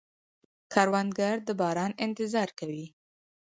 کروندګر د باران انتظار کوي